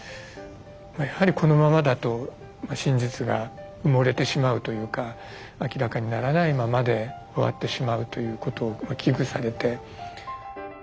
やはりこのままだと真実が埋もれてしまうというか明らかにならないままで終わってしまうということを危惧されて。